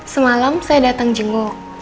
semalam saya datang jenguk